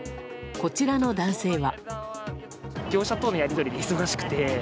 こちらの男性は。